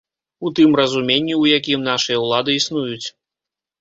У тым разуменні, у якім нашыя ўлады існуюць.